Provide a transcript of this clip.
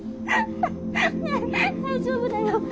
ねえ大丈夫だよ。